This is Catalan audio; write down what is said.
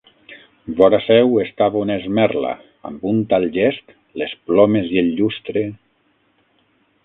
Vora seu, estava una esmerla, amb un tal gest, les plomes i el llustre...